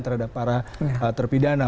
terhadap para terpidana